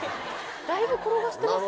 だいぶ転がしてますね。